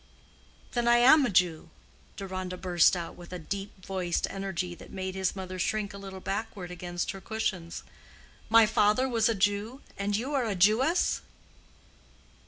"Then I am a Jew?" Deronda burst out with a deep voiced energy that made his mother shrink a little backward against her cushions. "My father was a Jew, and you are a Jewess?"